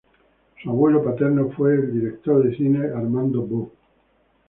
Su abuelo paterno fue el director de cine Armando Bó.